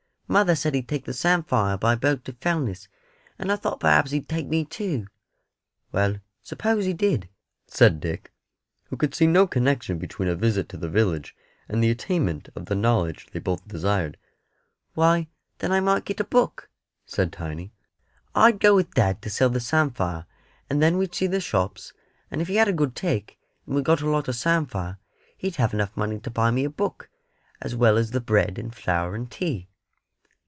"Mother said he'd take the samphire by boat to Fellness, and I thought perhaps he'd take me too." "Well, s'pose he did?" said Dick, who could see no connection between a visit to the village and the attainment of the knowledge they both desired. "Why, then I might get a book," said Tiny. "I'd go with dad to sell the samphire; and then we'd see the shops; and if he had a good take, and we got a lot of samphire, he'd have enough money to buy me a book, as well as the bread and flour and tea."